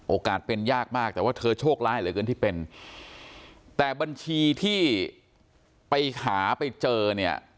โอกาสเป็นยากมากแต่ว่าเธอโชคร้ายเหลือเกินที่เป็นแต่บัญชีที่ไปหาไปเจอเนี่ย